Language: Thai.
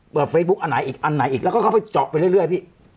เฟซบุ๊คอันไหนอีกอันไหนอีกแล้วก็เข้าไปเจาะไปเรื่อยพี่